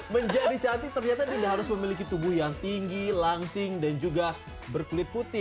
menjadi cantik ternyata tidak harus memiliki tubuh yang tinggi langsing dan juga berkulit putih